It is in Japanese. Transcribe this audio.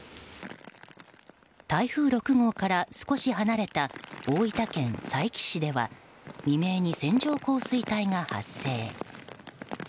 台風６号から少し離れた大分県佐伯市では未明に線状降水帯が発生。